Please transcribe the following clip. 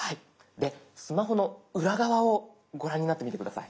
でスマホの裏側をご覧になってみて下さい。